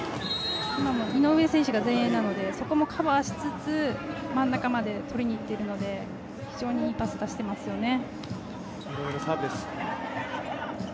今も井上選手が前衛なのでそこもカバーしつつ、真ん中まで取りに行ってるので非常にいいパス出してますよね